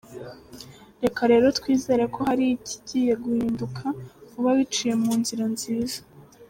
Reka rero twizere ko hari ikigiye guhindika vuba biciye mu nzira nziza.